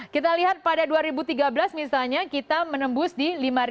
kita lihat pada dua ribu tiga belas misalnya kita menembus di lima